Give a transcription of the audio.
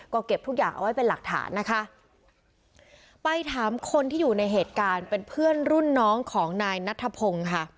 ก็เก็บทุกอย่างเอาไว้เป็นหลักฐานนะคะไปถามคนที่อยู่ในเหตุการณ์เป็นเพื่อนรุ่นน้องของนายนัทธพงศ์ค่ะ